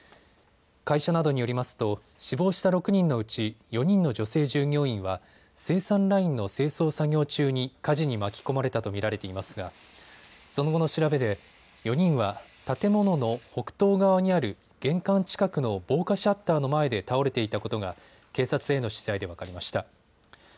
会社などによりますと死亡した６人のうち４人の女性従業員は生産ラインの清掃作業中に火事に巻き込まれたと見られていますがその後の調べで４人は建物の北東側にある玄関近くの防火シャッターの前で倒れていたことが警察への取材で分かりました。